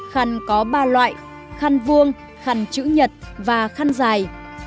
khăn có ba loại khăn vuông khằn chữ nhật và khăn dài